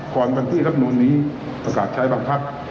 ก่อนวันที่รับนูนนี้ประกาศใช้บังคับ